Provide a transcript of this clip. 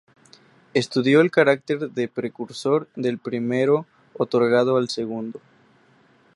Estudió el carácter de precursor del primero otorgado al segundo.